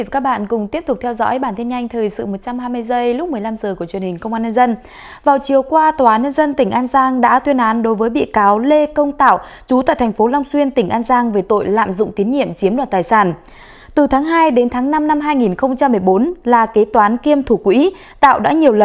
các bạn hãy đăng ký kênh để ủng hộ kênh của chúng mình nhé